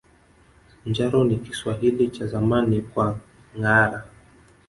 Njaro ni Kiswahili cha zamani kwa ngâara